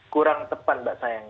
kurang tepat mbak sayang